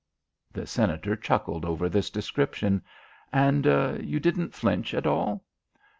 The Senator chuckled over this description. "And you didn't flinch at all?"